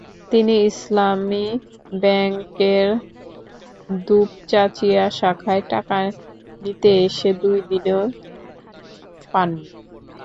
তিনি ইসলামী ব্যাংকের দুপচাঁচিয়া শাখায় টাকা নিতে এসে দুই দিনেও পাননি।